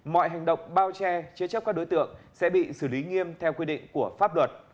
mọi hành động bao che chế chấp các đối tượng sẽ bị xử lý nghiêm theo quy định của pháp luật